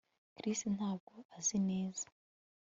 Chris ntabwo azi neza